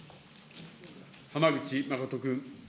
浜口誠君。